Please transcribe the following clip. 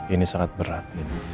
ini sangat berat